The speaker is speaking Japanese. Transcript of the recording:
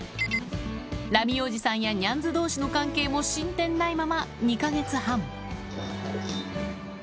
ラミおじさんやニャンズどうしの関係も進展ないまま２か月半。